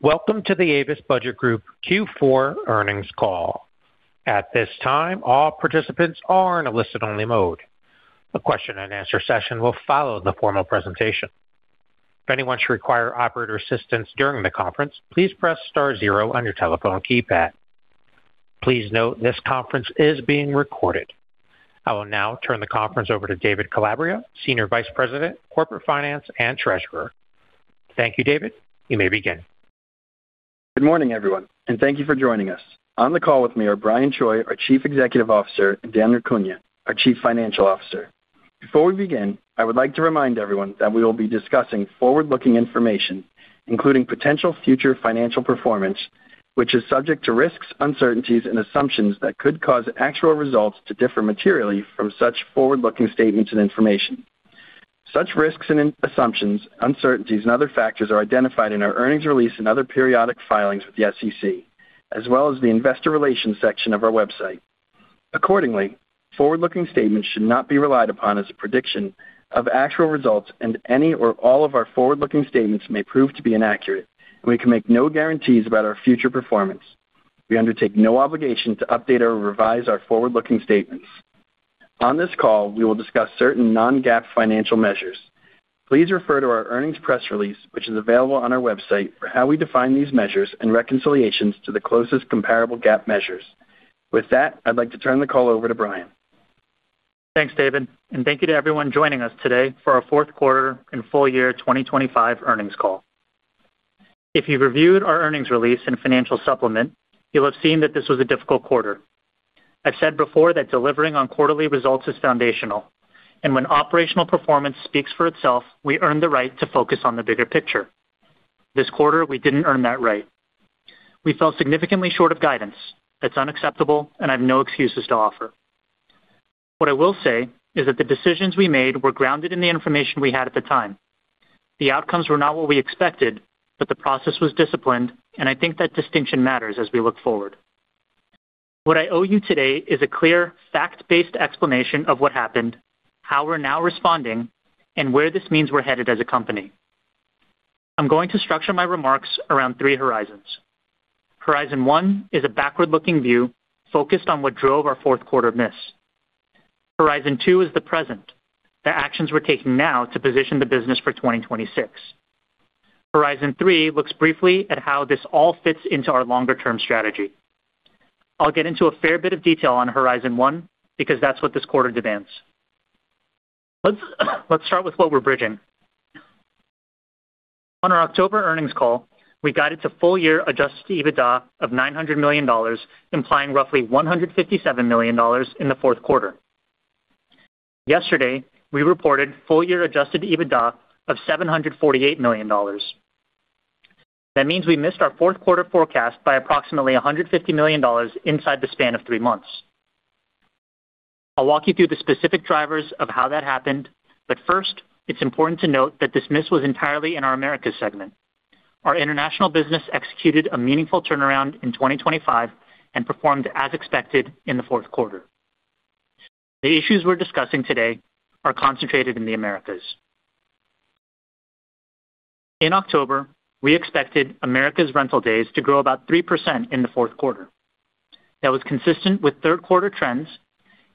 Welcome to the Avis Budget Group Q4 earnings call. At this time, all participants are in a listen-only mode. A question-and-answer session will follow the formal presentation. If anyone should require operator assistance during the conference, please press star zero on your telephone keypad. Please note, this conference is being recorded. I will now turn the conference over to David Calabria, Senior Vice President, Corporate Finance, and Treasurer. Thank you, David. You may begin. Good morning, everyone, and thank you for joining us. On the call with me are Brian Choi, our Chief Executive Officer, and Daniel Cunha, our Chief Financial Officer. Before we begin, I would like to remind everyone that we will be discussing forward-looking information, including potential future financial performance, which is subject to risks, uncertainties and assumptions that could cause actual results to differ materially from such forward-looking statements and information. Such risks and assumptions, uncertainties and other factors are identified in our earnings release and other periodic filings with the SEC, as well as the investor relations section of our website. Accordingly, forward-looking statements should not be relied upon as a prediction of actual results, and any or all of our forward-looking statements may prove to be inaccurate, and we can make no guarantees about our future performance. We undertake no obligation to update or revise our forward-looking statements. On this call, we will discuss certain non-GAAP financial measures. Please refer to our earnings press release, which is available on our website, for how we define these measures and reconciliations to the closest comparable GAAP measures. With that, I'd like to turn the call over to Brian. Thanks, David, and thank you to everyone joining us today for our fourth quarter and full year 2025 earnings call. If you've reviewed our earnings release and financial supplement, you'll have seen that this was a difficult quarter. I've said before that delivering on quarterly results is foundational, and when operational performance speaks for itself, we earn the right to focus on the bigger picture. This quarter, we didn't earn that right. We fell significantly short of guidance. That's unacceptable, and I have no excuses to offer. What I will say is that the decisions we made were grounded in the information we had at the time. The outcomes were not what we expected, but the process was disciplined, and I think that distinction matters as we look forward. What I owe you today is a clear, fact-based explanation of what happened, how we're now responding, and where this means we're headed as a company. I'm going to structure my remarks around three horizons. Horizon one is a backward-looking view focused on what drove our fourth quarter miss. Horizon two is the present, the actions we're taking now to position the business for 2026. Horizon three looks briefly at how this all fits into our longer-term strategy. I'll get into a fair bit of detail on horizon one, because that's what this quarter demands. Let's start with what we're bridging. On our October earnings call, we guided to full-year adjusted EBITDA of $900 million, implying roughly $157 million in the fourth quarter. Yesterday, we reported full year adjusted EBITDA of $748 million. That means we missed our fourth quarter forecast by approximately $150 million inside the span of three months. I'll walk you through the specific drivers of how that happened, but first, it's important to note that this miss was entirely in our Americas segment. Our international business executed a meaningful turnaround in 2025 and performed as expected in the fourth quarter. The issues we're discussing today are concentrated in the Americas. In October, we expected Americas rental days to grow about 3% in the fourth quarter. That was consistent with third quarter trends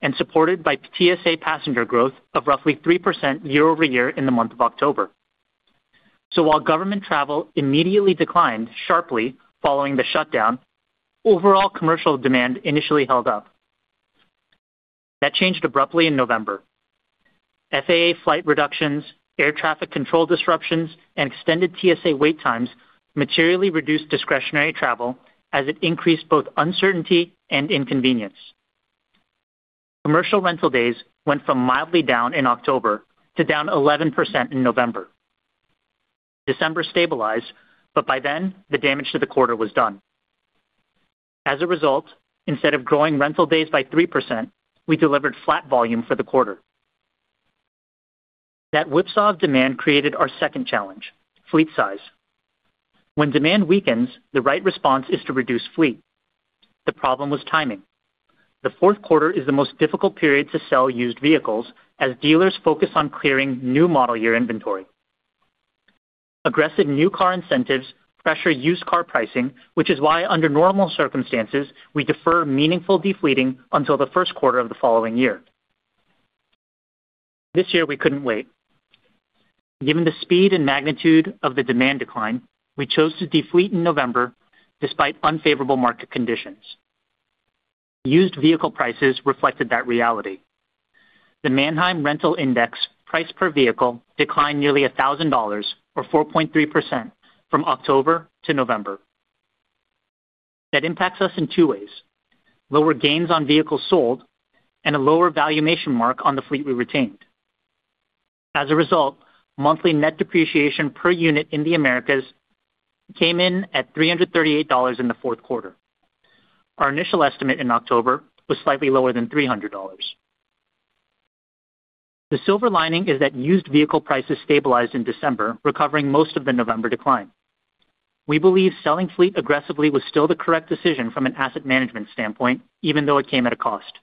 and supported by TSA passenger growth of roughly 3% year-over-year in the month of October. So while government travel immediately declined sharply following the shutdown, overall commercial demand initially held up. That changed abruptly in November. FAA flight reductions, air traffic control disruptions, and extended TSA wait times materially reduced discretionary travel as it increased both uncertainty and inconvenience. Commercial rental days went from mildly down in October to down 11% in November. December stabilized, but by then, the damage to the quarter was done. As a result, instead of growing rental days by 3%, we delivered flat volume for the quarter. That whipsaw of demand created our second challenge, fleet size. When demand weakens, the right response is to reduce fleet. The problem was timing. The fourth quarter is the most difficult period to sell used vehicles as dealers focus on clearing new model year inventory. Aggressive new car incentives pressure used car pricing, which is why, under normal circumstances, we defer meaningful defleeting until the first quarter of the following year. This year, we couldn't wait. Given the speed and magnitude of the demand decline, we chose to defleet in November, despite unfavorable market conditions. Used vehicle prices reflected that reality. The Manheim Rental Index price per vehicle declined nearly $1,000, or 4.3%, from October to November. That impacts us in 2 ways: lower gains on vehicles sold and a lower valuation mark on the fleet we retained. As a result, monthly net depreciation per unit in the Americas came in at $338 in the fourth quarter. Our initial estimate in October was slightly lower than $300. The silver lining is that used vehicle prices stabilized in December, recovering most of the November decline. We believe selling fleet aggressively was still the correct decision from an asset management standpoint, even though it came at a cost....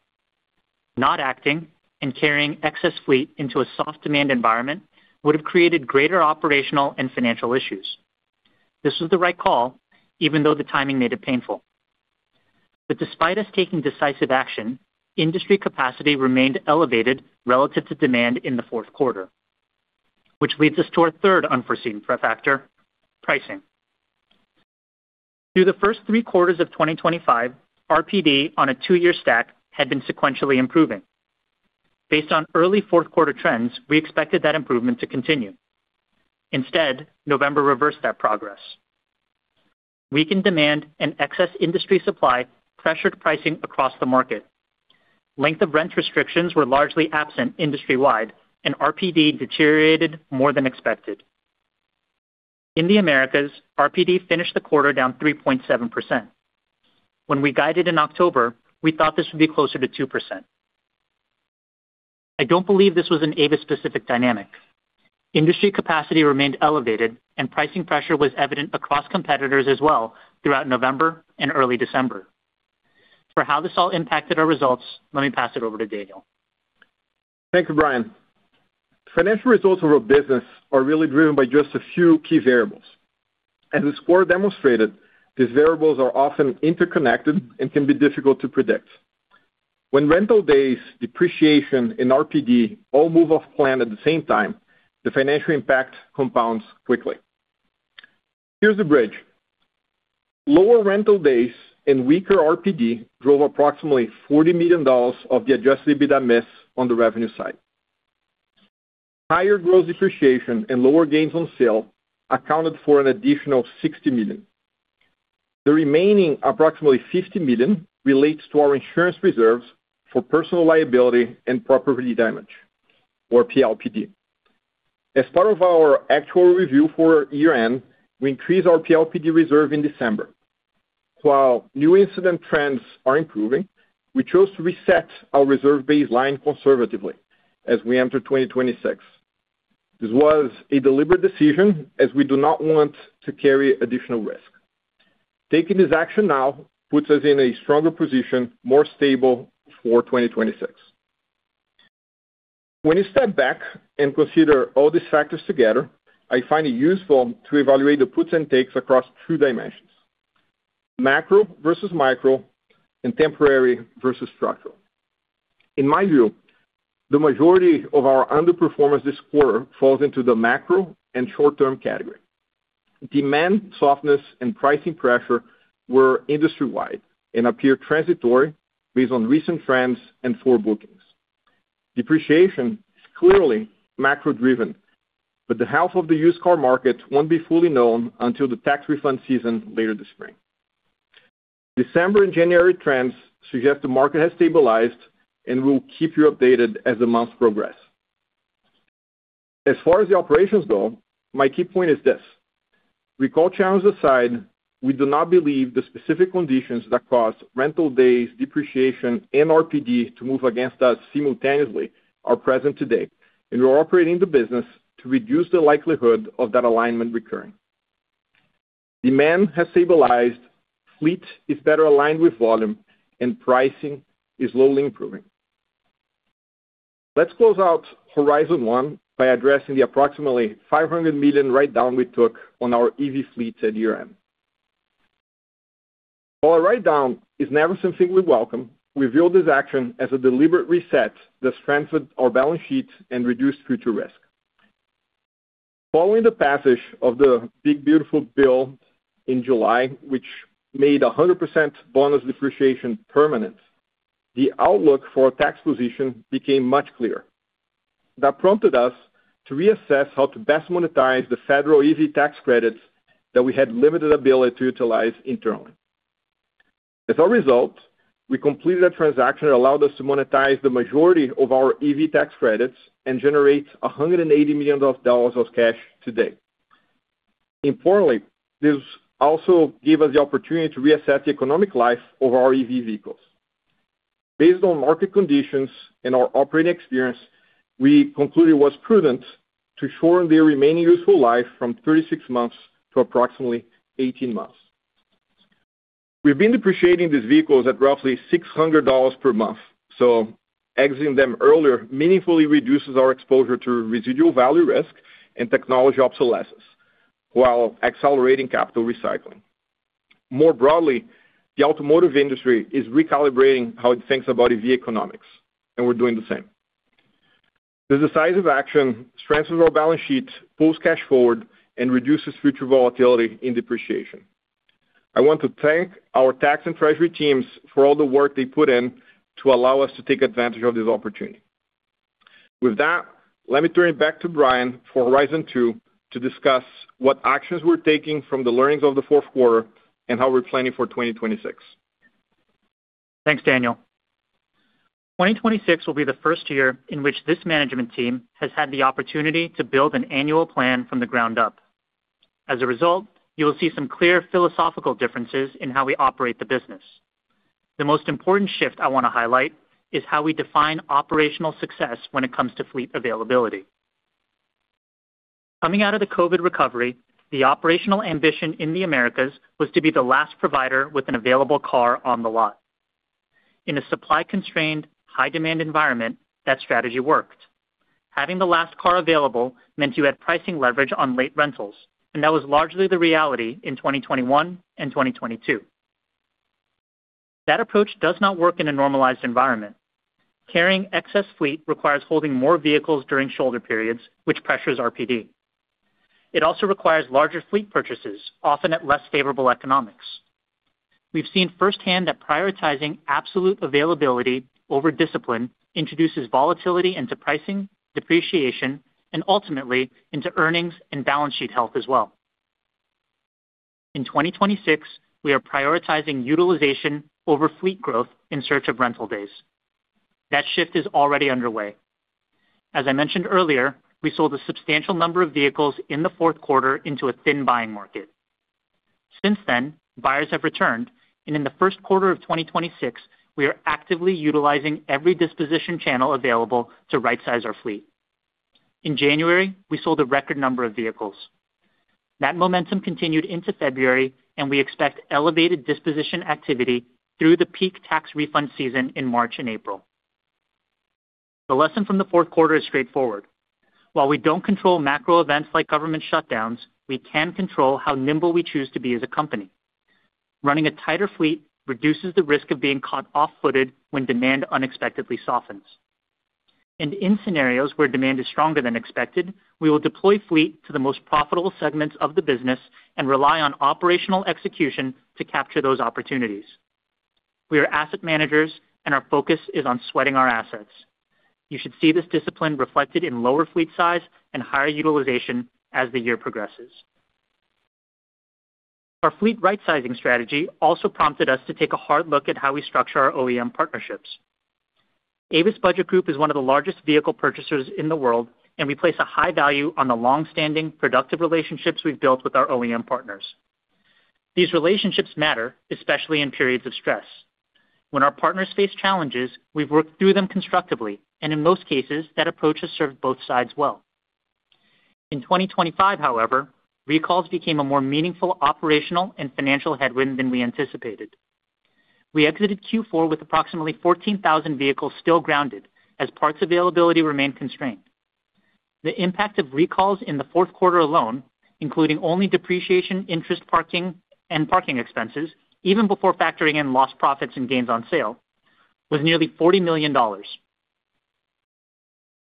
Not acting and carrying excess fleet into a soft demand environment would have created greater operational and financial issues. This was the right call, even though the timing made it painful. But despite us taking decisive action, industry capacity remained elevated relative to demand in the fourth quarter, which leads us to our third unforeseen factor, pricing. Through the first three quarters of 2025, RPD on a two-year stack had been sequentially improving. Based on early fourth quarter trends, we expected that improvement to continue. Instead, November reversed that progress. Weakened demand and excess industry supply pressured pricing across the market. Length of rent restrictions were largely absent industry-wide, and RPD deteriorated more than expected. In the Americas, RPD finished the quarter down 3.7%. When we guided in October, we thought this would be closer to 2%. I don't believe this was an Avis-specific dynamic. Industry capacity remained elevated, and pricing pressure was evident across competitors as well throughout November and early December. For how this all impacted our results, let me pass it over to Daniel. Thank you, Brian. Financial results of our business are really driven by just a few key variables. As the score demonstrated, these variables are often interconnected and can be difficult to predict. When rental days, depreciation, and RPD all move off plan at the same time, the financial impact compounds quickly. Here's the bridge. Lower rental days and weaker RPD drove approximately $40 million of the Adjusted EBITDA miss on the revenue side. Higher gross depreciation and lower gains on sale accounted for an additional $60 million. The remaining, approximately $50 million, relates to our insurance reserves for personal liability and property damage, or PLPD. As part of our actual review for year-end, we increased our PLPD reserve in December. While new incident trends are improving, we chose to reset our reserve baseline conservatively as we enter 2026. This was a deliberate decision, as we do not want to carry additional risk. Taking this action now puts us in a stronger position, more stable for 2026. When you step back and consider all these factors together, I find it useful to evaluate the puts and takes across two dimensions: macro versus micro, and temporary versus structural. In my view, the majority of our underperformance this quarter falls into the macro and short-term category. Demand softness and pricing pressure were industry-wide and appear transitory based on recent trends and forward bookings. Depreciation is clearly macro-driven, but the health of the used car market won't be fully known until the tax refund season later this spring. December and January trends suggest the market has stabilized, and we'll keep you updated as the months progress. As far as the operations go, my key point is this: recall chaside, we do not believe the specific conditions that cause rental days, depreciation, and RPD to move against us simultaneously are present today, and we're operating the business to reduce the likelihood of that alignment recurring. Demand has stabilized, fleet is better aligned with volume, and pricing is slowly improving. Let's close out horizon one by addressing the approximately $500 million write-down we took on our EV fleets at year-end. While a write-down is never something we welcome, we view this action as a deliberate reset that strengthened our balance sheet and reduced future risk. Following the passage of the Big Beautiful Bill in July, which made 100% bonus depreciation permanent, the outlook for tax position became much clearer. That prompted us to reassess how to best monetize the federal EV tax credits that we had limited ability to utilize internally. As a result, we completed a transaction that allowed us to monetize the majority of our EV tax credits and generate $180 million of cash today. Importantly, this also gave us the opportunity to reassess the economic life of our EV vehicles. Based on market conditions and our operating experience, we concluded it was prudent to shorten their remaining useful life from 36 months to approximately 18 months. We've been depreciating these vehicles at roughly $600 per month, so exiting them earlier meaningfully reduces our exposure to residual value risk and technology obsolescence, while accelerating capital recycling. More broadly, the automotive industry is recalibrating how it thinks about EV economics, and we're doing the same. This decisive action strengthens our balance sheet, pulls cash forward, and reduces future volatility in depreciation. I want to thank our tax and treasury teams for all the work they put in to allow us to take advantage of this opportunity. With that, let me turn it back to Brian for horizon two, to discuss what actions we're taking from the learnings of the fourth quarter and how we're planning for 2026. Thanks, Daniel. 2026 will be the first year in which this management team has had the opportunity to build an annual plan from the ground up. As a result, you will see some clear philosophical differences in how we operate the business. The most important shift I want to highlight is how we define operational success when it comes to fleet availability... Coming out of the COVID recovery, the operational ambition in the Americas was to be the last provider with an available car on the lot. In a supply-constrained, high-demand environment, that strategy worked. Having the last car available meant you had pricing leverage on late rentals, and that was largely the reality in 2021 and 2022. That approach does not work in a normalized environment. Carrying excess fleet requires holding more vehicles during shoulder periods, which pressures RPD. It also requires larger fleet purchases, often at less favorable economics. We've seen firsthand that prioritizing absolute availability over discipline introduces volatility into pricing, depreciation, and ultimately into earnings and balance sheet health as well. In 2026, we are prioritizing utilization over fleet growth in search of rental days. That shift is already underway. As I mentioned earlier, we sold a substantial number of vehicles in the fourth quarter into a thin buying market. Since then, buyers have returned, and in the first quarter of 2026, we are actively utilizing every disposition channel available to rightsize our fleet. In January, we sold a record number of vehicles. That momentum continued into February, and we expect elevated disposition activity through the peak tax refund season in March and April. The lesson from the fourth quarter is straightforward: while we don't control macro events like government shutdowns, we can control how nimble we choose to be as a company. Running a tighter fleet reduces the risk of being caught off-footed when demand unexpectedly softens. And in scenarios where demand is stronger than expected, we will deploy fleet to the most profitable segments of the business and rely on operational execution to capture those opportunities. We are asset managers, and our focus is on sweating our assets. You should see this discipline reflected in lower fleet size and higher utilization as the year progresses. Our fleet rightsizing strategy also prompted us to take a hard look at how we structure our OEM partnerships. Avis Budget Group is one of the largest vehicle purchasers in the world, and we place a high value on the long-standing, productive relationships we've built with our OEM partners. These relationships matter, especially in periods of stress. When our partners face challenges, we've worked through them constructively, and in most cases, that approach has served both sides well. In 2025, however, recalls became a more meaningful operational and financial headwind than we anticipated. We exited Q4 with approximately 14,000 vehicles still grounded as parts availability remained constrained. The impact of recalls in the fourth quarter alone, including only depreciation, interest, parking, and parking expenses, even before factoring in lost profits and gains on sale, was nearly $40 million.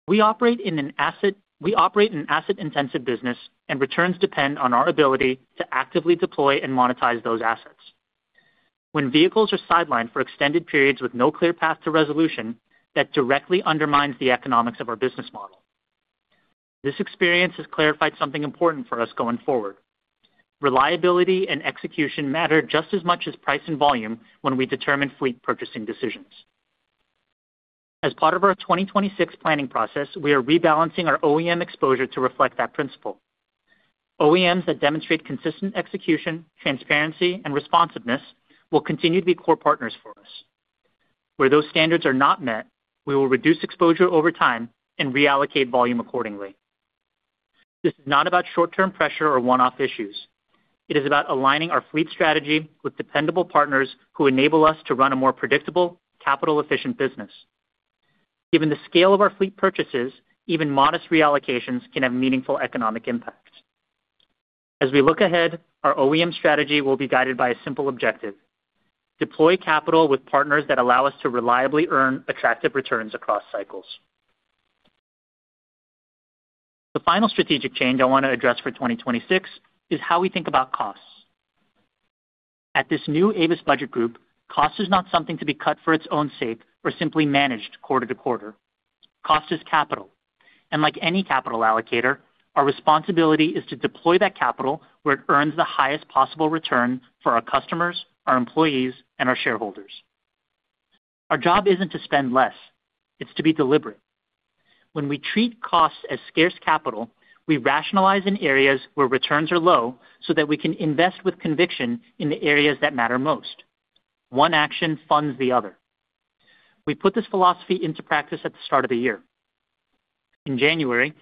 We operate an asset-intensive business, and returns depend on our ability to actively deploy and monetize those assets. When vehicles are sidelined for extended periods with no clear path to resolution, that directly undermines the economics of our business model. This experience has clarified something important for us going forward. Reliability and execution matter just as much as price and volume when we determine fleet purchasing decisions. As part of our 2026 planning process, we are rebalancing our OEM exposure to reflect that principle. OEMs that demonstrate consistent execution, transparency, and responsiveness will continue to be core partners for us. Where those standards are not met, we will reduce exposure over time and reallocate volume accordingly. This is not about short-term pressure or one-off issues. It is about aligning our fleet strategy with dependable partners who enable us to run a more predictable, capital-efficient business. Given the scale of our fleet purchases, even modest reallocations can have meaningful economic impact. As we look ahead, our OEM strategy will be guided by a simple objective: deploy capital with partners that allow us to reliably earn attractive returns across cycles. The final strategic change I want to address for 2026 is how we think about costs. At this new Avis Budget Group, cost is not something to be cut for its own sake or simply managed quarter to quarter. Cost is capital, and like any capital allocator, our responsibility is to deploy that capital where it earns the highest possible return for our customers, our employees, and our shareholders. Our job isn't to spend less; it's to be deliberate. When we treat costs as scarce capital, we rationalize in areas where returns are low so that we can invest with conviction in the areas that matter most. One action funds the other. We put this philosophy into practice at the start of the year. In January,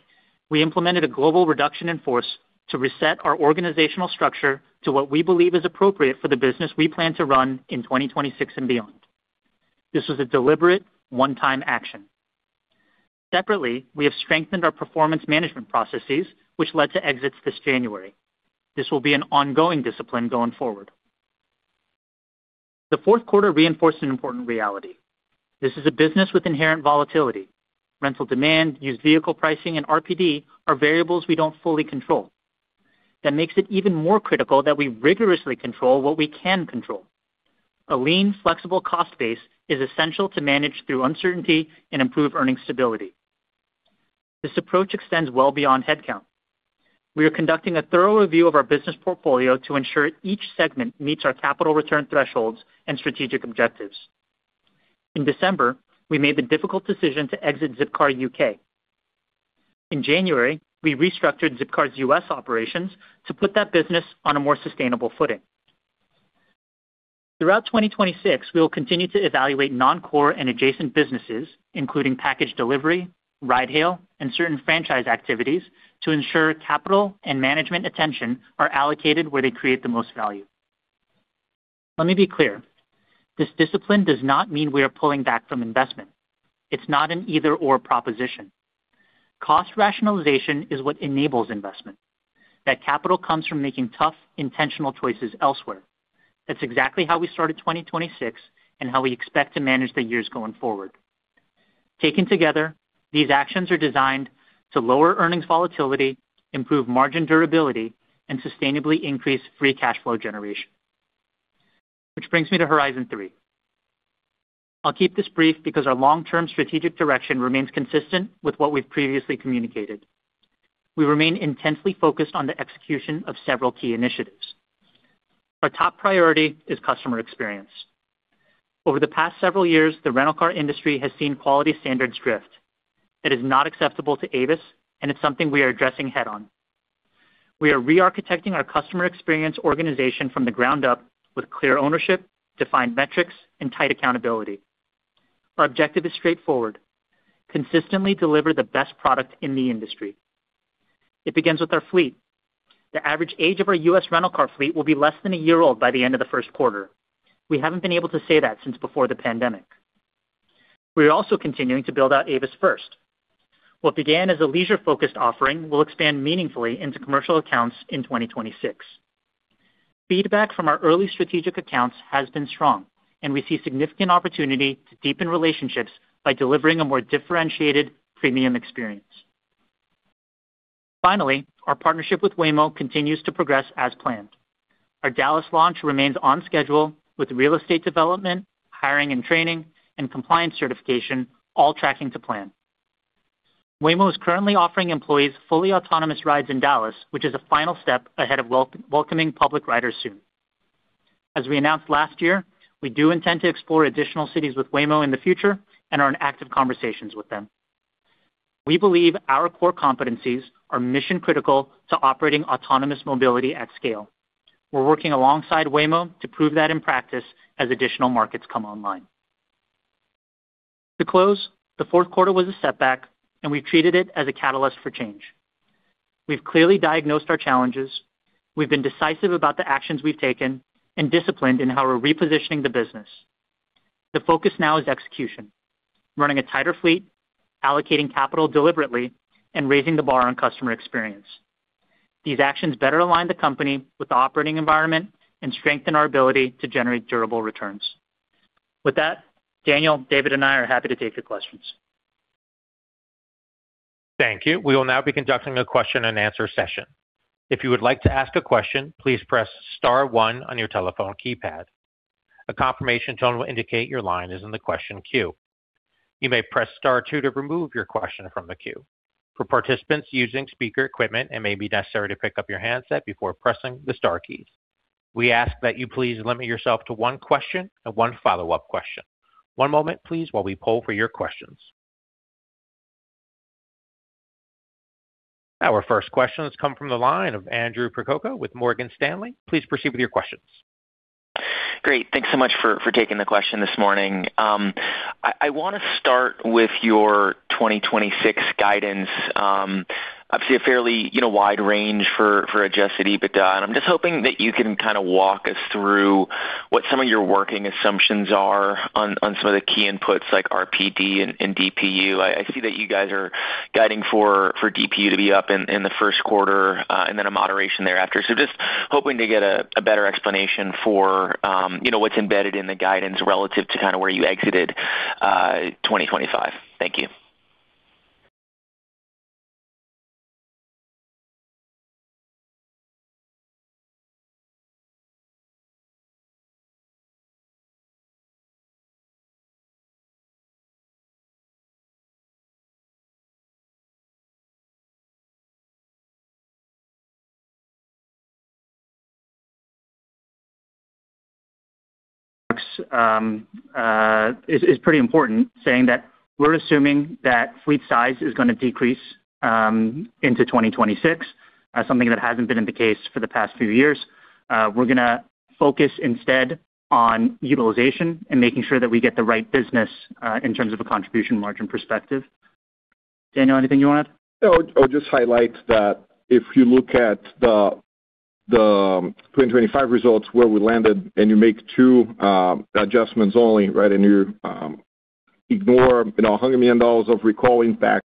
we implemented a global reduction in force to reset our organizational structure to what we believe is appropriate for the business we plan to run in 2026 and beyond. This was a deliberate, one-time action. Separately, we have strengthened our performance management processes, which led to exits this January. This will be an ongoing discipline going forward. The fourth quarter reinforced an important reality. This is a business with inherent volatility. Rental demand, used vehicle pricing, and RPD are variables we don't fully control. That makes it even more critical that we rigorously control what we can control. A lean, flexible cost base is essential to manage through uncertainty and improve earning stability. This approach extends well beyond headcount. We are conducting a thorough review of our business portfolio to ensure each segment meets our capital return thresholds and strategic objectives. In December, we made the difficult decision to exit Zipcar UK. In January, we restructured Zipcar's US operations to put that business on a more sustainable footing. Throughout 2026, we will continue to evaluate non-core and adjacent businesses, including package delivery, ride hail, and certain franchise activities, to ensure capital and management attention are allocated where they create the most value. Let me be clear, this discipline does not mean we are pulling back from investment. It's not an either/or proposition. Cost rationalization is what enables investment. That capital comes from making tough, intentional choices elsewhere. That's exactly how we started 2026 and how we expect to manage the years going forward. Taken together, these actions are designed to lower earnings volatility, improve margin durability, and sustainably increase free cash flow generation. Which brings me to horizon three. I'll keep this brief because our long-term strategic direction remains consistent with what we've previously communicated. We remain intensely focused on the execution of several key initiatives. Our top priority is customer experience. Over the past several years, the rental car industry has seen quality standards drift. It is not acceptable to Avis, and it's something we are addressing head-on. We are re-architecting our customer experience organization from the ground up with clear ownership, defined metrics and tight accountability. Our objective is straightforward: consistently deliver the best product in the industry. It begins with our fleet. The average age of our U.S. rental car fleet will be less than a year old by the end of the first quarter. We haven't been able to say that since before the pandemic. We are also continuing to build out Avis First. What began as a leisure-focused offering will expand meaningfully into commercial accounts in 2026. Feedback from our early strategic accounts has been strong, and we see significant opportunity to deepen relationships by delivering a more differentiated premium experience. Finally, our partnership with Waymo continues to progress as planned. Our Dallas launch remains on schedule with real estate development, hiring and training, and compliance certification, all tracking to plan. Waymo is currently offering employees fully autonomous rides in Dallas, which is a final step ahead of welcoming public riders soon. As we announced last year, we do intend to explore additional cities with Waymo in the future and are in active conversations with them. We believe our core competencies are mission critical to operating autonomous mobility at scale. We're working alongside Waymo to prove that in practice as additional markets come online. To close, the fourth quarter was a setback, and we've treated it as a catalyst for change. We've clearly diagnosed our challenges, we've been decisive about the actions we've taken, and disciplined in how we're repositioning the business. The focus now is execution, running a tighter fleet, allocating capital deliberately, and raising the bar on customer experience. These actions better align the company with the operating environment and strengthen our ability to generate durable returns. With that, Daniel, David, and I are happy to take your questions. Thank you. We will now be conducting a question-and-answer session. If you would like to ask a question, please press star one on your telephone keypad. A confirmation tone will indicate your line is in the question queue. You may press star two to remove your question from the queue. For participants using speaker equipment, it may be necessary to pick up your handset before pressing the star keys. We ask that you please limit yourself to one question and one follow-up question. One moment, please, while we poll for your questions. Our first question has come from the line of Andrew Percoco with Morgan Stanley. Please proceed with your questions. Great. Thanks so much for taking the question this morning. I want to start with your 2026 guidance. I see a fairly, you know, wide range for adjusted EBITDA, and I'm just hoping that you can kind of walk us through what some of your working assumptions are on some of the key inputs like RPD and DPU. I see that you guys are guiding for DPU to be up in the first quarter, and then a moderation thereafter. So just hoping to get a better explanation for, you know, what's embedded in the guidance relative to kind of where you exited, 2025. Thank you. is pretty important, saying that we're assuming that fleet size is gonna decrease into 2026, something that hasn't been the case for the past few years. We're gonna focus instead on utilization and making sure that we get the right business in terms of a contribution margin perspective. Daniel, anything you want to add? Yeah. I'll just highlight that if you look at the 2025 results where we landed, and you make two adjustments only, right? And you ignore, you know, $100 million of recall impact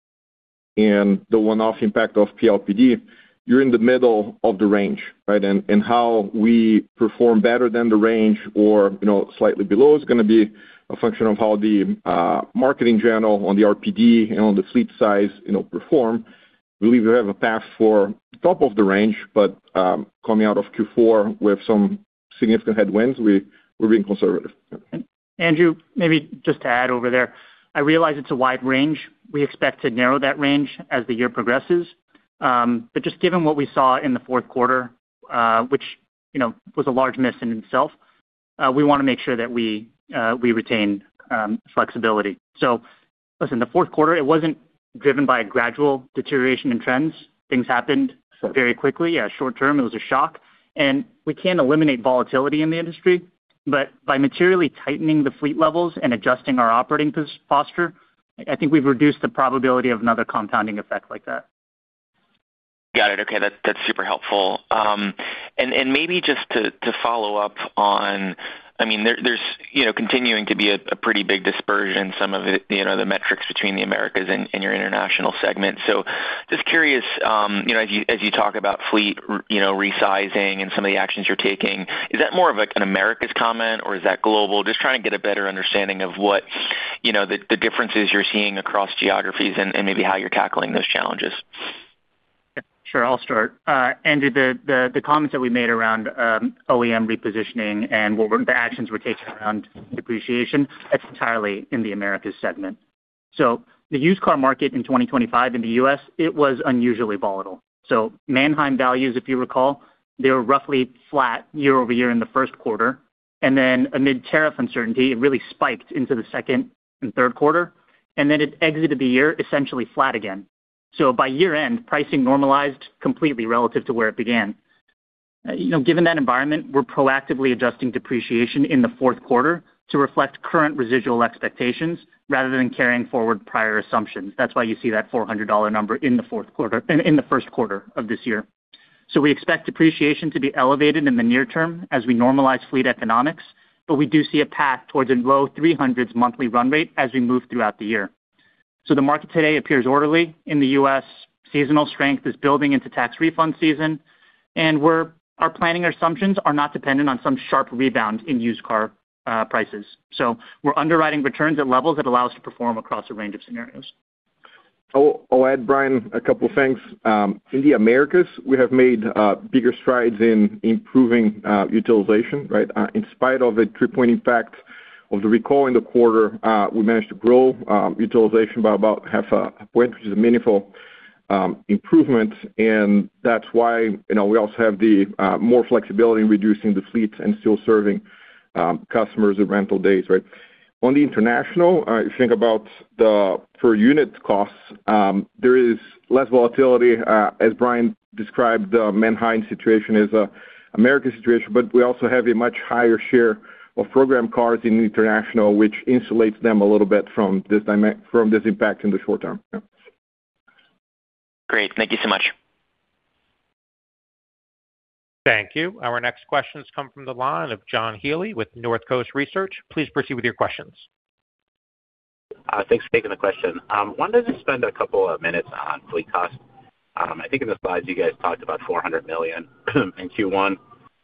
and the one-off impact of PLPD, you're in the middle of the range, right? And how we perform better than the range or, you know, slightly below is gonna be a function of how the marketing general on the RPD and on the fleet size, you know, perform. We believe we have a path for top of the range, but coming out of Q4 with some significant headwinds, we're being conservative. Andrew, maybe just to add over there. I realize it's a wide range. We expect to narrow that range as the year progresses. But just given what we saw in the fourth quarter, which, you know, was a large miss in itself, we wanna make sure that we retain flexibility. Listen, the fourth quarter, it wasn't driven by a gradual deterioration in trends. Things happened very quickly. Yeah, short term, it was a shock, and we can't eliminate volatility in the industry, but by materially tightening the fleet levels and adjusting our operating posture, I think we've reduced the probability of another compounding effect like that. Got it. Okay, that's super helpful. And maybe just to follow up on, I mean, there's you know, continuing to be a pretty big dispersion in some of the, you know, the metrics between the Americas and your international segment. So just curious, you know, as you talk about fleet, you know, resizing and some of the actions you're taking, is that more of, like, an Americas comment, or is that global? Just trying to get a better understanding of what, you know, the differences you're seeing across geographies and maybe how you're tackling those challenges. Sure, I'll start. Andrew, the comments that we made around OEM repositioning and what the actions we're taking around depreciation, that's entirely in the Americas segment. So the used car market in 2025 in the U.S., it was unusually volatile. So Manheim values, if you recall, they were roughly flat year-over-year in the first quarter, and then amid tariff uncertainty, it really spiked into the second and third quarter, and then it exited the year essentially flat again. So by year-end, pricing normalized completely relative to where it began. You know, given that environment, we're proactively adjusting depreciation in the fourth quarter to reflect current residual expectations rather than carrying forward prior assumptions. That's why you see that $400 number in the fourth quarter in the first quarter of this year. We expect depreciation to be elevated in the near term as we normalize fleet economics, but we do see a path towards a low 300s monthly run rate as we move throughout the year. The market today appears orderly in the U.S. Seasonal strength is building into tax refund season, and our planning assumptions are not dependent on some sharp rebound in used car prices. We're underwriting returns at levels that allow us to perform across a range of scenarios. I'll add, Brian, a couple of things. In the Americas, we have made bigger strides in improving utilization, right? In spite of the tripling impact of the recall in the quarter, we managed to grow utilization by about half a point, which is a meaningful improvement, and that's why, you know, we also have the more flexibility in reducing the fleets and still serving customers with rental days, right? On the international, if you think about the per unit costs, there is less volatility. As Brian described, the Manheim situation is a American situation, but we also have a much higher share of program cars in international, which insulates them a little bit from this impact in the short term. Great. Thank you so much. Thank you. Our next question comes from the line of John Healy with North Coast Research. Please proceed with your questions. Thanks for taking the question. Wanted to spend a couple of minutes on fleet cost. I think in the slides you guys talked about $400 million in Q1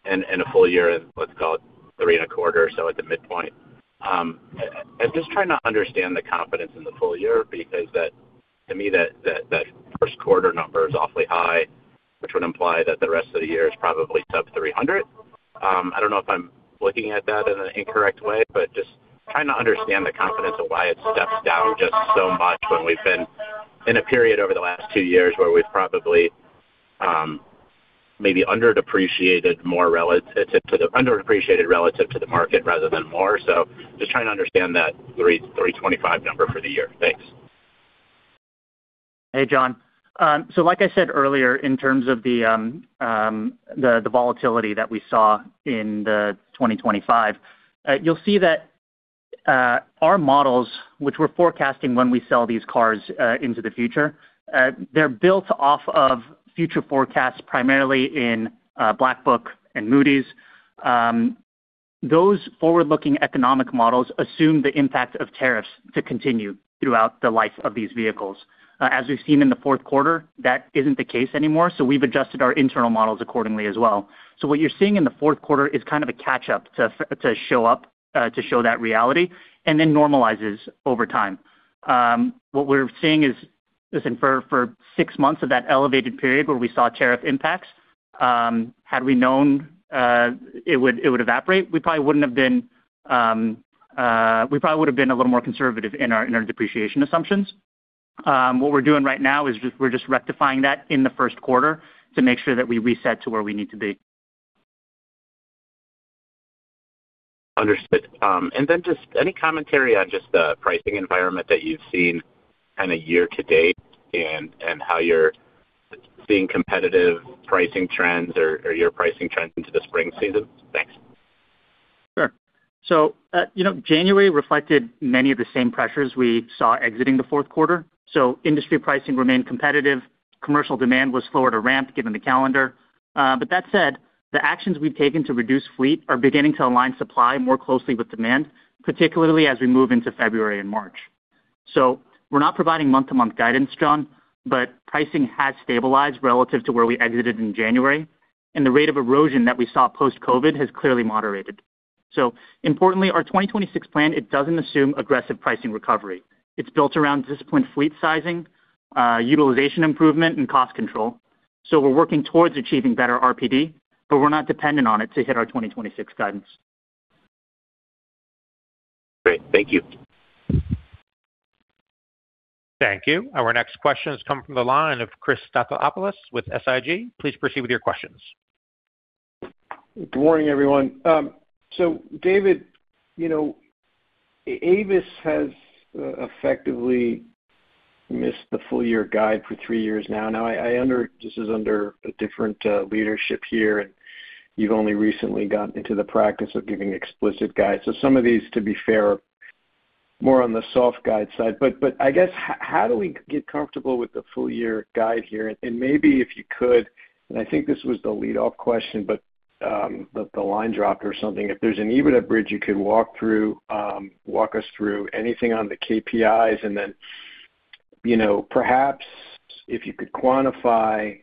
and a full year in, let's call it $3.25 billion, so at the midpoint. I'm just trying to understand the confidence in the full year, because that, to me, the first quarter number is awfully high, which would imply that the rest of the year is probably sub $300 million. I don't know if I'm looking at that in an incorrect way, but just trying to understand the confidence of why it steps down just so much when we've been in a period over the last two years where we've probably maybe underdepreciated more relative to the market rather than more. Just trying to understand that 3,325 number for the year. Thanks. Hey, John. So like I said earlier, in terms of the volatility that we saw in the 2025, you'll see that our models, which we're forecasting when we sell these cars into the future, they're built off of future forecasts, primarily in Black Book and Moody's. Those forward-looking economic models assume the impact of tariffs to continue throughout the life of these vehicles. As we've seen in the fourth quarter, that isn't the case anymore, so we've adjusted our internal models accordingly as well. So what you're seeing in the fourth quarter is kind of a catch up to show that reality and then normalizes over time. What we're seeing is, listen, for six months of that elevated period where we saw tariff impacts, had we known it would evaporate, we probably would have been a little more conservative in our depreciation assumptions. What we're doing right now is just rectifying that in the first quarter to make sure that we reset to where we need to be. Understood. And then just any commentary on just the pricing environment that you've seen kind of year to date and how you're seeing competitive pricing trends or your pricing trends into the spring season? Thanks. Sure. So, you know, January reflected many of the same pressures we saw exiting the fourth quarter. So industry pricing remained competitive. Commercial demand was slower to ramp, given the calendar. But that said, the actions we've taken to reduce fleet are beginning to align supply more closely with demand, particularly as we move into February and March. So we're not providing month-to-month guidance, John, but pricing has stabilized relative to where we exited in January, and the rate of erosion that we saw post-COVID has clearly moderated. So importantly, our 2026 plan, it doesn't assume aggressive pricing recovery. It's built around disciplined fleet sizing, utilization improvement, and cost control. So we're working towards achieving better RPD, but we're not dependent on it to hit our 2026 guidance. Great. Thank you. Thank you. Our next question has come from the line of Chris Stathoulopoulos with SIG. Please proceed with your questions.... Good morning, everyone. So David, you know, Avis has effectively missed the full year guide for three years now. Now I understand this is under a different leadership here, and you've only recently gotten into the practice of giving explicit guidance. So some of these, to be fair, are more on the soft guide side. But I guess, how do we get comfortable with the full year guide here? And maybe if you could, and I think this was the lead off question, but the line dropped or something. If there's an EBITDA bridge you could walk through, walk us through anything on the KPIs, and then, you know, perhaps if you could quantify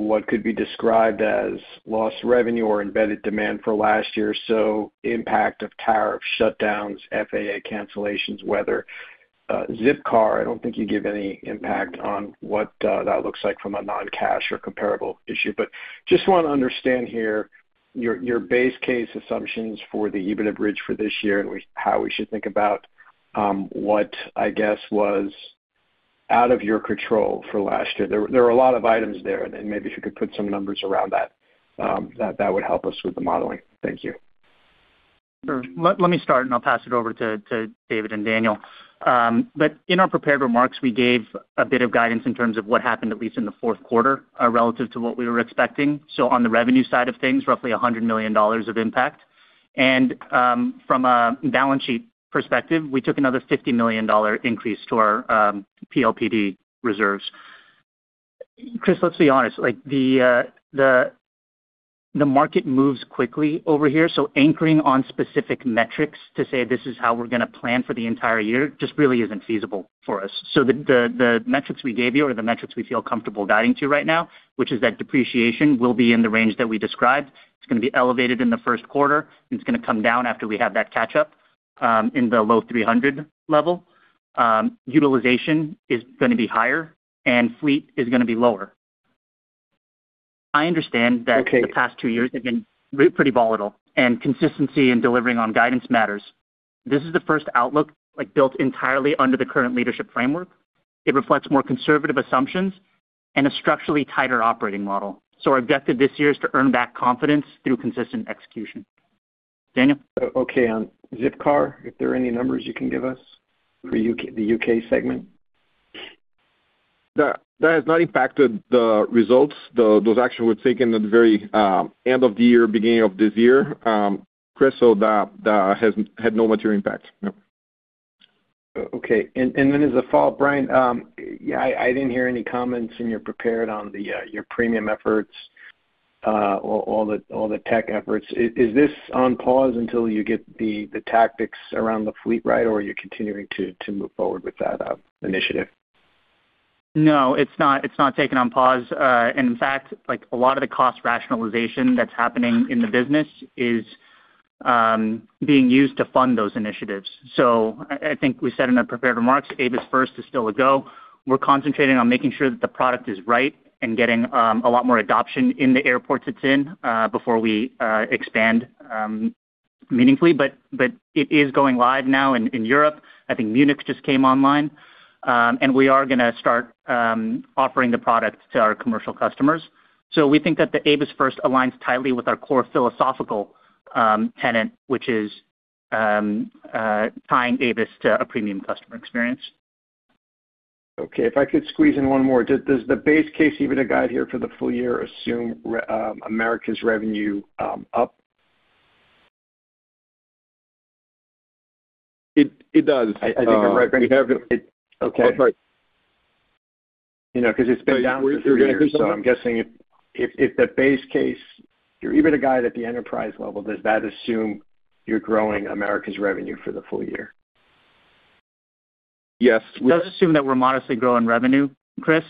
what could be described as lost revenue or embedded demand for last year. So impact of tariff shutdowns, FAA cancellations, weather, Zipcar. I don't think you give any impact on what that looks like from a non-cash or comparable issue. But just want to understand here, your base case assumptions for the EBITDA bridge for this year, and how we should think about what I guess was out of your control for last year. There were a lot of items there, and maybe if you could put some numbers around that, that would help us with the modeling. Thank you. Sure. Let me start, and I'll pass it over to David and Daniel. But in our prepared remarks, we gave a bit of guidance in terms of what happened, at least in the fourth quarter, relative to what we were expecting. So on the revenue side of things, roughly $100 million of impact. From a balance sheet perspective, we took another $50 million increase to our PLPD reserves. Chris, let's be honest, like, the market moves quickly over here, so anchoring on specific metrics to say this is how we're gonna plan for the entire year, just really isn't feasible for us. So the metrics we gave you are the metrics we feel comfortable guiding to right now, which is that depreciation will be in the range that we described. It's gonna be elevated in the first quarter, and it's gonna come down after we have that catch up, in the low 300 level. Utilization is gonna be higher and fleet is gonna be lower. I understand that- Okay. The past two years have been pretty volatile, and consistency in delivering on guidance matters. This is the first outlook, like, built entirely under the current leadership framework. It reflects more conservative assumptions and a structurally tighter operating model. So our objective this year is to earn back confidence through consistent execution. Daniel? Okay, on Zipcar, if there are any numbers you can give us for the U.K. segment? That has not impacted the results. Those actions were taken at the very end of the year, beginning of this year. Chris, so that has had no material impact. No. Okay, and then as a follow-up, Brian, yeah, I didn't hear any comments in your prepared on the your premium efforts, or all the tech efforts. Is this on pause until you get the tactics around the fleet right, or are you continuing to move forward with that initiative? No, it's not, it's not taken on pause. In fact, like a lot of the cost rationalization that's happening in the business is being used to fund those initiatives. So I think we said in our prepared remarks, Avis First is still a go. We're concentrating on making sure that the product is right and getting a lot more adoption in the airports it's in before we expand meaningfully. But it is going live now in Europe. I think Munich just came online. And we are gonna start offering the product to our commercial customers. So we think that the Avis First aligns tightly with our core philosophical tenet, which is tying Avis to a premium customer experience. Okay. If I could squeeze in one more. Does the base case EBITDA guide here for the full year assume Americas revenue up? It does. I think you're right, Brian. We have it. Okay. That's right. You know, because it's been down for three years, so I'm guessing if the base case, your EBITDA guide at the enterprise level, does that assume you're growing Americas revenue for the full year? Yes, we- It does assume that we're modestly growing revenue, Chris.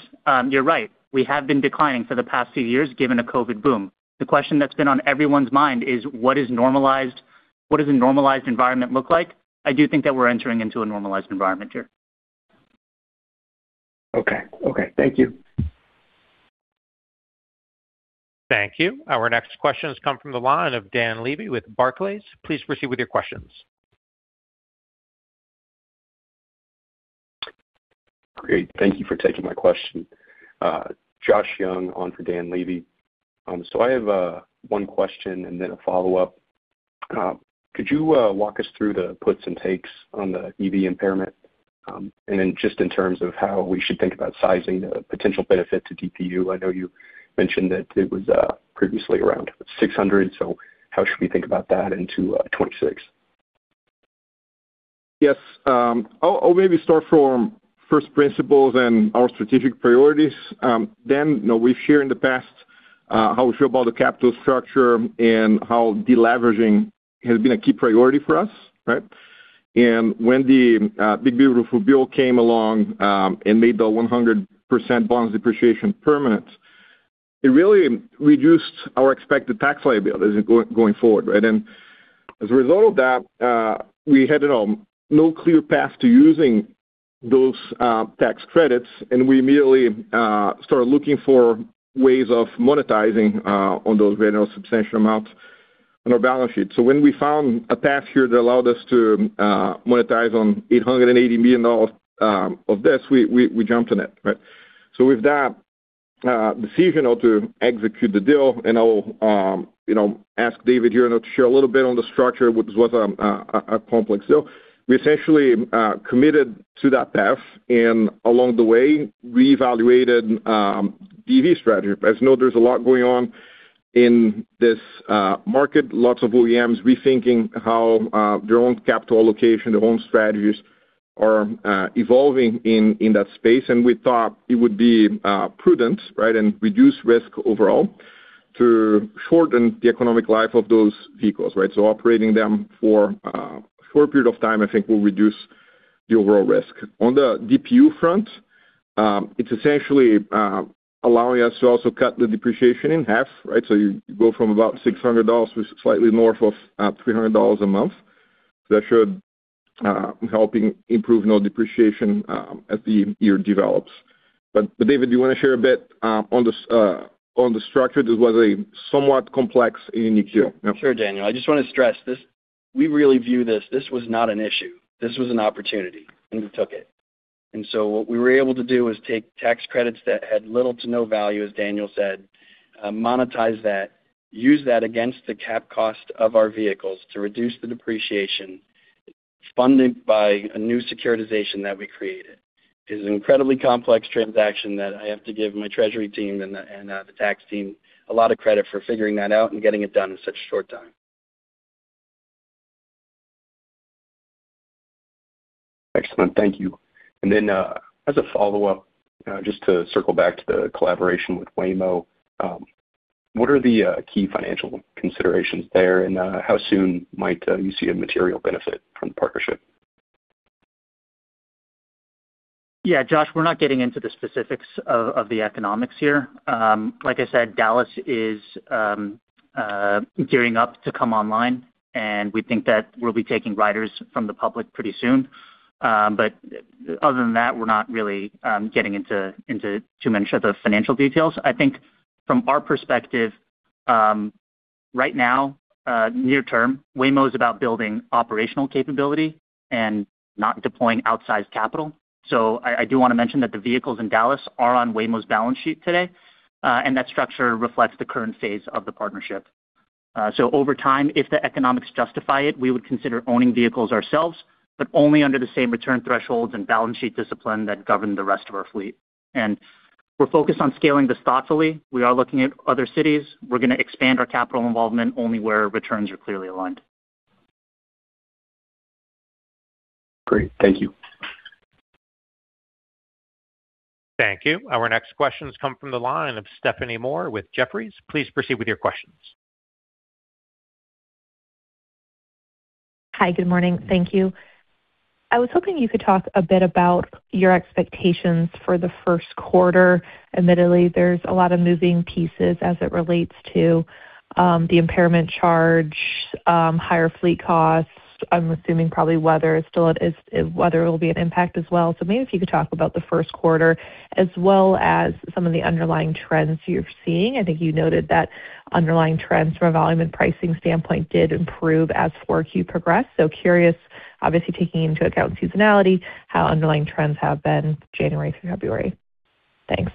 You're right, we have been declining for the past few years, given a COVID boom. The question that's been on everyone's mind is: What is normalized? What does a normalized environment look like? I do think that we're entering into a normalized environment here. Okay. Okay, thank you. Thank you. Our next question has come from the line of Dan Levy with Barclays. Please proceed with your questions. Great. Thank you for taking my question. Josh Young on for Dan Levy. So I have one question and then a follow-up. Could you walk us through the puts and takes on the EV impairment? And then just in terms of how we should think about sizing the potential benefit to DPU, I know you mentioned that it was previously around 600, so how should we think about that into 2026? Yes, I'll maybe start from first principles and our strategic priorities. Then, you know, we've shared in the past how we feel about the capital structure and how deleveraging has been a key priority for us, right? And when the Big Beautiful Bill came along and made the 100% bonus depreciation permanent, it really reduced our expected tax liability going forward, right? And as a result of that, we had no clear path to using those tax credits, and we immediately started looking for ways of monetizing on those substantial amounts on our balance sheet. So when we found a path here that allowed us to monetize $880 million of this, we jumped on it, right? So with that, decision of to execute the deal, and I will, you know, ask David here to share a little bit on the structure, which was, a complex deal. We essentially, committed to that path, and along the way, reevaluated, EV strategy. As you know, there's a lot going on in this, market. Lots of OEMs rethinking how, their own capital allocation, their own strategies are, evolving in that space. And we thought it would be, prudent, right, and reduce risk overall to shorten the economic life of those vehicles, right? So operating them for a short period of time, I think, will reduce the overall risk. On the DPU front, it's essentially, allowing us to also cut the depreciation in half, right? So you go from about $600 to slightly north of $300 a month. That should helping improve no depreciation as the year develops. But David, do you want to share a bit on the structure? This was a somewhat complex and unique year. Sure, Daniel. I just want to stress this. We really view this, this was not an issue. This was an opportunity, and we took it. And so what we were able to do was take tax credits that had little to no value, as Daniel said, monetize that, use that against the cap cost of our vehicles to reduce the depreciation, funded by a new securitization that we created. It's an incredibly complex transaction that I have to give my treasury team and the tax team a lot of credit for figuring that out and getting it done in such a short time. Excellent. Thank you. Then, as a follow-up, just to circle back to the collaboration with Waymo, what are the key financial considerations there, and how soon might you see a material benefit from the partnership? Yeah, Josh, we're not getting into the specifics of the economics here. Like I said, Dallas is gearing up to come online, and we think that we'll be taking riders from the public pretty soon. But other than that, we're not really getting into too much of the financial details. I think from our perspective, right now, near term, Waymo is about building operational capability and not deploying outsized capital. So I do want to mention that the vehicles in Dallas are on Waymo's balance sheet today, and that structure reflects the current phase of the partnership. So over time, if the economics justify it, we would consider owning vehicles ourselves, but only under the same return thresholds and balance sheet discipline that govern the rest of our fleet. And we're focused on scaling this thoughtfully. We are looking at other cities. We're going to expand our capital involvement only where returns are clearly aligned. Great. Thank you. Thank you. Our next questions come from the line of Stephanie Moore with Jefferies. Please proceed with your questions. Hi, good morning. Thank you. I was hoping you could talk a bit about your expectations for the first quarter. Admittedly, there's a lot of moving pieces as it relates to the impairment charge, higher fleet costs. I'm assuming probably weather will be an impact as well. So maybe if you could talk about the first quarter, as well as some of the underlying trends you're seeing. I think you noted that underlying trends from a volume and pricing standpoint did improve as 4Q progressed. So curious, obviously, taking into account seasonality, how underlying trends have been January through February. Thanks.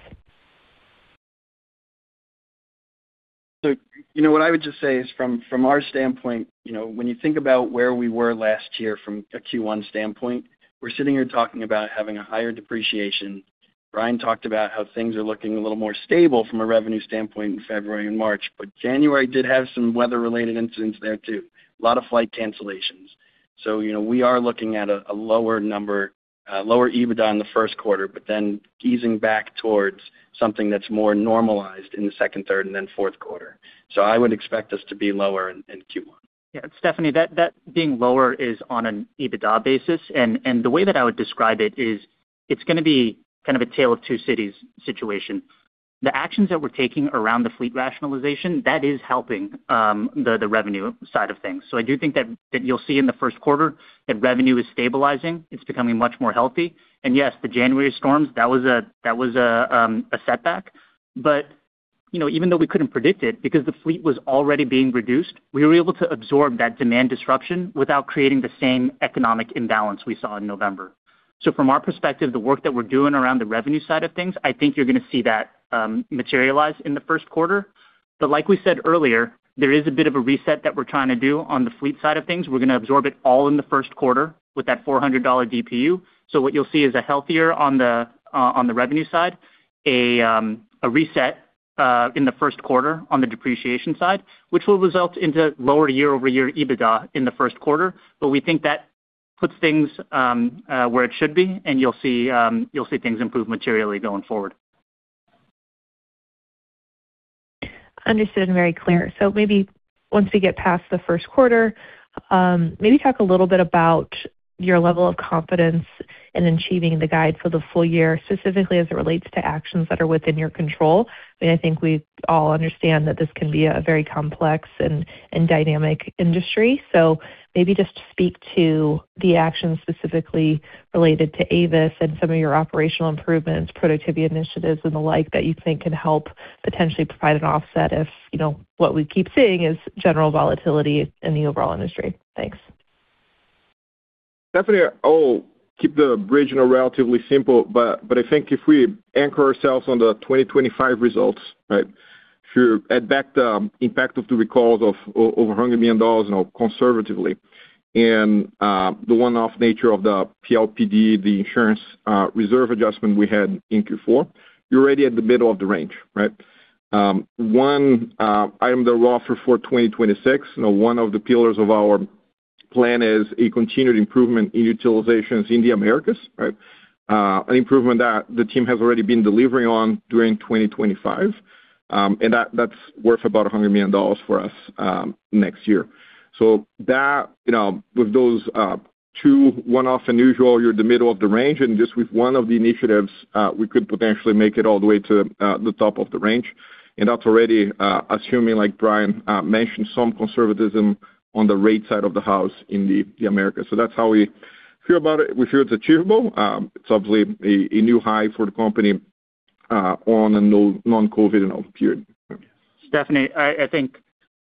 So you know, what I would just say is from our standpoint, you know, when you think about where we were last year from a Q1 standpoint, we're sitting here talking about having a higher depreciation. Brian talked about how things are looking a little more stable from a revenue standpoint in February and March, but January did have some weather-related incidents there, too. A lot of flight cancellations. So you know, we are looking at a lower number, lower EBITDA in the first quarter, but then easing back towards something that's more normalized in the second, third, and then fourth quarter. So I would expect us to be lower in Q1. Yeah, Stephanie, that being lower is on an EBITDA basis, and the way that I would describe it is it's going to be kind of a tale of two cities situation. The actions that we're taking around the fleet rationalization, that is helping the revenue side of things. So I do think that you'll see in the first quarter that revenue is stabilizing. It's becoming much more healthy. And yes, the January storms, that was a setback. But you know, even though we couldn't predict it, because the fleet was already being reduced, we were able to absorb that demand disruption without creating the same economic imbalance we saw in November. So from our perspective, the work that we're doing around the revenue side of things, I think you're going to see that materialize in the first quarter. But like we said earlier, there is a bit of a reset that we're trying to do on the fleet side of things. We're going to absorb it all in the first quarter with that $400 DPU. So what you'll see is a healthier on the, on the revenue side, a reset, in the first quarter on the depreciation side, which will result into lower year-over-year EBITDA in the first quarter. But we think that puts things, where it should be, and you'll see, you'll see things improve materially going forward. Understood. Very clear. So maybe once we get past the first quarter, maybe talk a little bit about your level of confidence in achieving the guide for the full year, specifically as it relates to actions that are within your control. I mean, I think we all understand that this can be a very complex and dynamic industry. So maybe just speak to the actions specifically related to Avis and some of your operational improvements, productivity initiatives, and the like, that you think can help potentially provide an offset if, you know, what we keep seeing is general volatility in the overall industry. Thanks. ... Definitely, I'll keep the bridge, you know, relatively simple, but, but I think if we anchor ourselves on the 2025 results, right? If you add back the impact of the recalls of over $100 million, you know, conservatively, and the one-off nature of the PLPD, the insurance reserve adjustment we had in Q4, you're already at the middle of the range, right? One item that we're offering for 2026, you know, one of the pillars of our plan is a continued improvement in utilizations in the Americas, right? An improvement that the team has already been delivering on during 2025, and that, that's worth about $100 million for us next year. So that, you know, with those, two one-off unusual, you're the middle of the range, and just with one of the initiatives, we could potentially make it all the way to, the top of the range. And that's already, assuming, like Brian, mentioned, some conservatism on the rate side of the house in the, the Americas. So that's how we feel about it. We feel it's achievable. It's obviously a new high for the company, on a non-COVID, you know, period. Stephanie, I think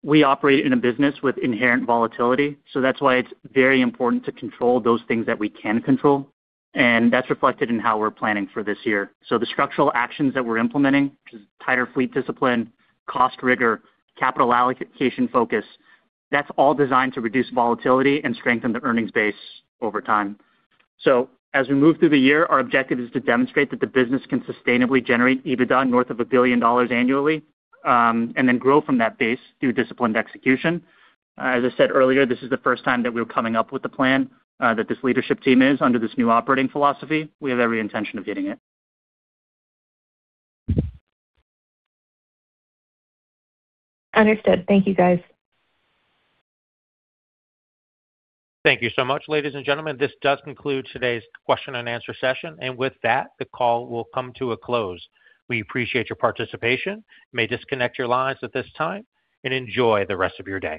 we operate in a business with inherent volatility, so that's why it's very important to control those things that we can control, and that's reflected in how we're planning for this year. So the structural actions that we're implementing, which is tighter fleet discipline, cost rigor, capital allocation focus, that's all designed to reduce volatility and strengthen the earnings base over time. So as we move through the year, our objective is to demonstrate that the business can sustainably generate EBITDA north of $1 billion annually, and then grow from that base through disciplined execution. As I said earlier, this is the first time that we're coming up with a plan that this leadership team is under this new operating philosophy. We have every intention of getting it. Understood. Thank you, guys. Thank you so much, ladies and gentlemen. This does conclude today's question and answer session. With that, the call will come to a close. We appreciate your participation. You may disconnect your lines at this time and enjoy the rest of your day.